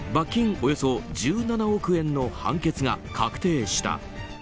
およそ１７億円の判決が確定した。